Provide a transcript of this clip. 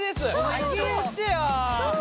先に言ってよ。